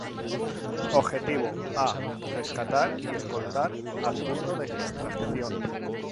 Objetivo a Rescatar y Escoltar al Punto De Extracción.